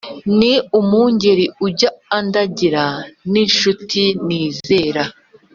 ni umungeri ujya andagira ni inshuti nizera